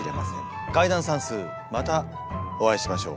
解談算数またお会いしましょう。